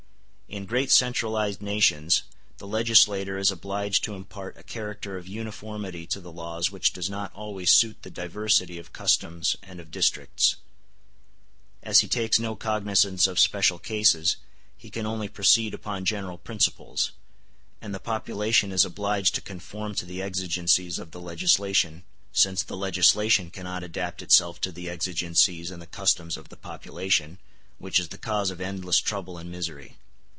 In great centralized nations the legislator is obliged to impart a character of uniformity to the laws which does not always suit the diversity of customs and of districts; as he takes no cognizance of special cases, he can only proceed upon general principles; and the population is obliged to conform to the exigencies of the legislation, since the legislation cannot adapt itself to the exigencies and the customs of the population, which is the cause of endless trouble and misery.